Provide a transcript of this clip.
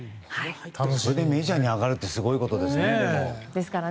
それでメジャーに上がるってすごいことですよね。